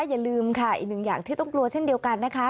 อย่าลืมค่ะอีกหนึ่งอย่างที่ต้องกลัวเช่นเดียวกันนะคะ